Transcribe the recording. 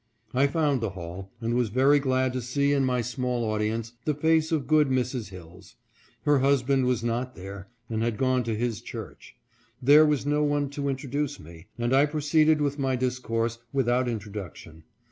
I found the hall, and was very glad to see in my small audience the face of good Mrs. Hilles. Her husband was not there, but had gone to his church. There was no one to introduce me, and I proceeded with my discourse without introduction.